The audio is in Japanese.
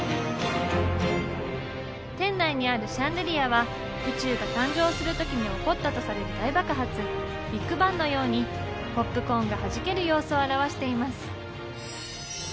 店内にあるシャンデリアは宇宙が誕生する時に起こったとされる大爆発ビッグバンのようにポップコーンがはじける様子を表しています。